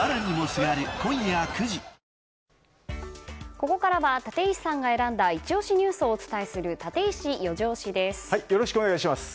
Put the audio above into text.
ここからは立石さんが選んだイチ推しニュースをお伝えするよろしくお願いします。